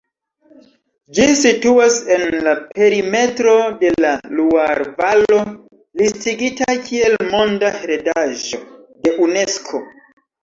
Ĝi situas en la perimetro de la Luar-valo, listigita kiel Monda heredaĵo de Unesko.